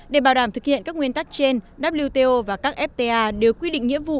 để bảo đảm thực hiện các nguyên tắc trên wto và các fta đều quy định nghĩa vụ